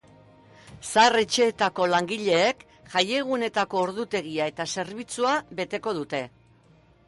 Zahar-etxeetako langileek jaiegunetako ordutegia eta zerbitzua beteko dute.